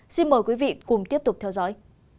xin mời quý vị cùng tiếp tục theo dõi